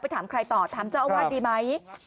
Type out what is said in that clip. ถามใครต่อถามเจ้าอาวาสดีไหม